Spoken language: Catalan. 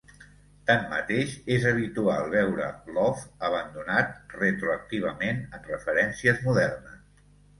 Tanmateix, és habitual veure l'"of" abandonat retroactivament en referències modernes.